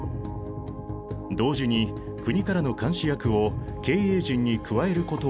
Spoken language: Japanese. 同時に国からの監視役を経営陣に加えることを求めた。